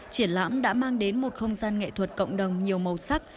triển lãm đã mang đến một không gian nghệ thuật cộng đồng nhiều màu sắc